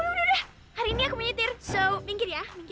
udah udah udah hari ini aku menyitir so bingkir ya bingkir